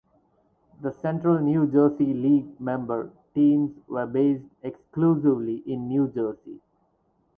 The Central New Jersey League member teams were based exclusively in New Jersey.